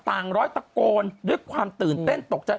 ร้อยตะโกนด้วยความตื่นเต้นตกใจ